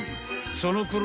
［そのころ